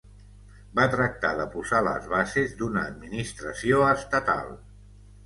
Va tractar de posar les bases d'una administració estatal.